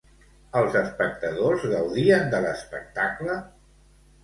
Els espectadors gaudien de l'espectacle?